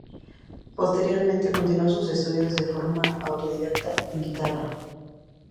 Posteriormente continuo sus estudios de forma autodidacta en guitarra.